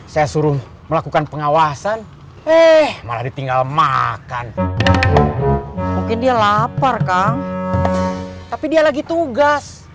saya suruh melakukan pengawasan eh malah ditinggal makan mungkin dia lapar kang tapi dia lagi tugas